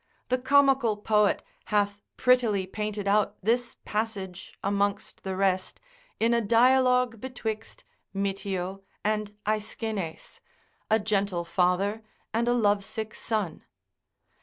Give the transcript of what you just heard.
The comical poet hath prettily painted out this passage amongst the rest in a dialogue betwixt Mitio and Aeschines, a gentle father and a lovesick son.